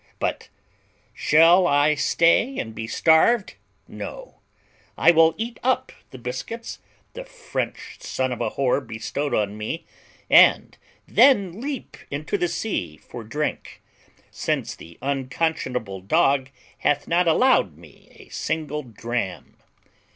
But shall I stay and be starved? No, I will eat up the biscuits the French son of a whore bestowed on me, and then leap into the sea for drink, since the unconscionable dog hath not allowed me a single dram."